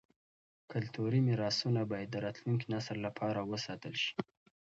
کلتوري میراثونه باید د راتلونکي نسل لپاره وساتل شي.